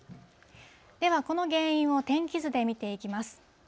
では、この原因を天気図で見ていきます。